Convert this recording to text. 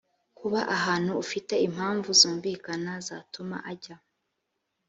kuba ahantu ufite impamvu zumvikana zatuma ajya